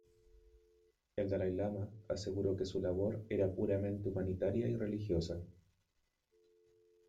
El Dalái lama aseguró que su labor era puramente humanitaria y religiosa.